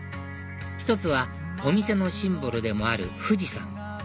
１つはお店のシンボルでもある「富士山」